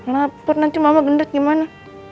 laper nanti mama gendut gimana